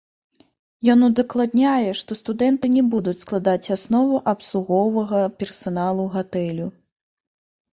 Ён удакладняе, што студэнты не будуць складаць аснову абслуговага персаналу гатэлю.